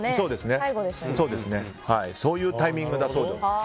そういうタイミングだそうです。